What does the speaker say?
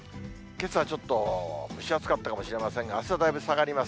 けさはちょっと蒸し暑かったかもしれませんが、あすはだいぶ下がります。